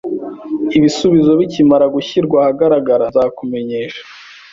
Ibisubizo bikimara gushyirwa ahagaragara, nzakumenyesha